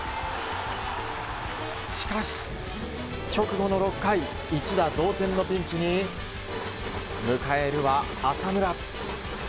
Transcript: しかし、直後の６回一打同点のピンチに迎えるは浅村。